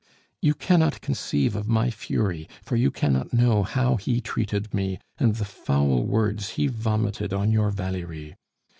"You cannot conceive of my fury, for you cannot know how he treated me, and the foul words he vomited on your Valerie.